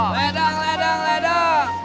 ledang ledang ledang